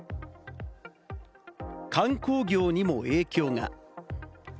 観光業にも影響が。